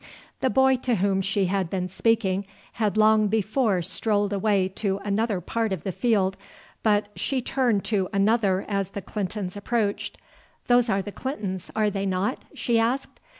The boy to whom she had been speaking had long before strolled away to another part of the field, but she turned to another as the Clintons approached. "Those are the Clintons, are they not?" she asked.